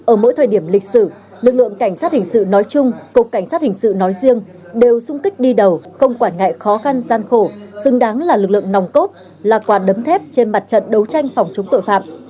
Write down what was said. ở mỗi thời điểm lịch sử lực lượng cảnh sát hình sự nói chung cục cảnh sát hình sự nói riêng đều sung kích đi đầu không quản ngại khó khăn gian khổ xứng đáng là lực lượng nòng cốt là quà đấm thép trên mặt trận đấu tranh phòng chống tội phạm